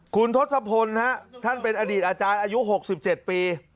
คุณทศพลท่านเป็นอดีตอาจารย์อายุ๖๗ปี